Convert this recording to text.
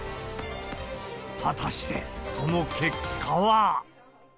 果たしてその結果は。